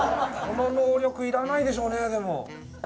この能力いらないでしょうねでも。